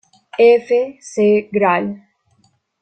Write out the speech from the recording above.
F. C. Gral.